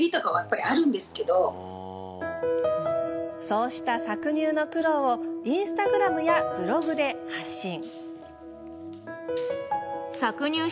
そうした搾乳の苦労をインスタグラムやブログで発信。